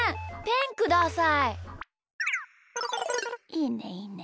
いいねいいね。